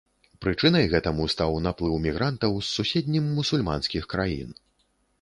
Прычынай гэтаму стаў наплыў мігрантаў з суседнім мусульманскіх краін.